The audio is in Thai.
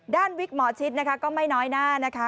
วิกหมอชิดนะคะก็ไม่น้อยหน้านะคะ